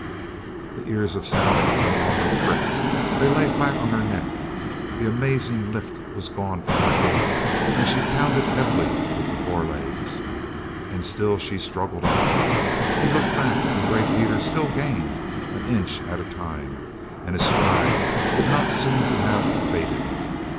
The ears of Sally no longer pricked. They lay flat on her neck. The amazing lift was gone from her gait, and she pounded heavily with the forelegs. And still she struggled on. He looked back, and Gray Peter still gained, an inch at a time, and his stride did not seem to have abated.